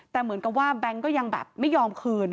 แต่เหมือนกับว่าแบงค์ก็ยังแบบไม่ยอมคืน